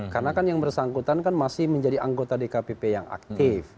karena kan yang bersangkutan kan masih menjadi anggota dkpp yang aktif